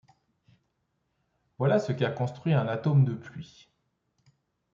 Voilà ce qu’a construit un atome de pluie.